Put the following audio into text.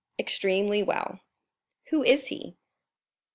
"Extremely well." "Who is he?"